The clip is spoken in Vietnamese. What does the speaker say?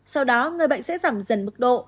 sau đó người bệnh sẽ giảm dần mức độ